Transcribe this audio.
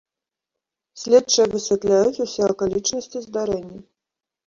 Следчыя высвятляюць усе акалічнасці здарэння.